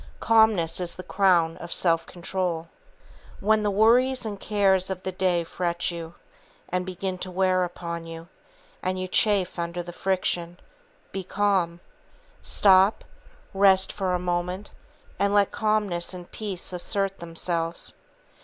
Calmness is the crown of self control. When the worries and cares of the day fret you, and begin to wear upon you, and you chafe under the friction, be calm. Stop, rest for a moment, and let calmness and peace assert themselves.